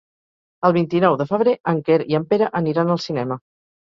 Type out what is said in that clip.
El vint-i-nou de febrer en Quer i en Pere aniran al cinema.